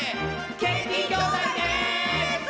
ＫＴ兄弟です！